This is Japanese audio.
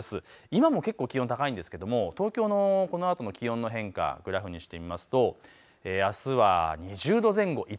今も結構気温高いんですけども東京のこのあとの気温の変化グラフにしてみますとあすは２０度前後。